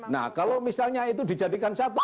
nah kalau misalnya itu dijadikan satu